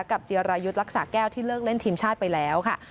จิรายุทธ์รักษาแก้วที่เลิกเล่นทีมชาติไปแล้วค่ะ